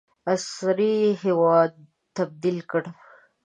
عصري هیواد تبدیل کړ.